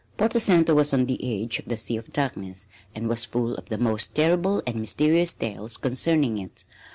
Porto Santo was on the edge of the Sea of Darkness and was full of the most terrible and mysterious tales concerning it.